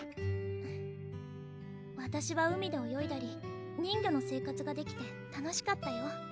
フッわたしは海で泳いだり人魚の生活ができて楽しかったよ